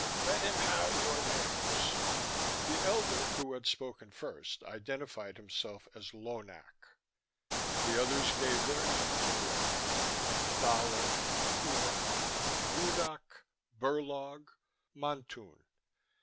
Let him have your names." The elder who had spoken first identified himself as Lonak. The others gave their names in order: Dalor, Puna, Grudoc, Burlog, Montun.